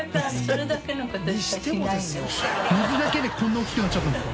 水だけでこんな大きくなっちゃったんですか？